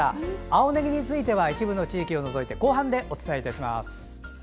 青ねぎについては一部の地域を除いて後半でお伝えします。